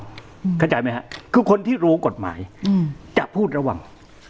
เข้าใจไหมฮะคือคนที่รู้กฎหมายอืมจะพูดระหว่าง